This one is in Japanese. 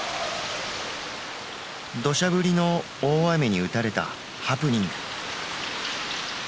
どしゃぶりの大雨に打たれたハプニング。